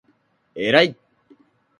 えらい！！！！！！！！！！！！！！！